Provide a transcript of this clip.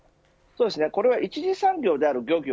これは１次産業である漁業